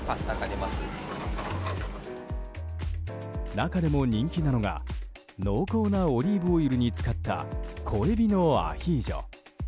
中でも人気なのが濃厚なオリーブオイルに浸かった小海老のアヒージョ。